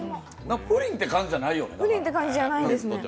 プリンって感じじゃないよね？